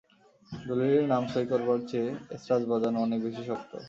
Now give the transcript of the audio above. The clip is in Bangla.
দলিলে নাম সই করবার চেয়ে এসরাজ বাজানো অনেক বেশি শক্ত।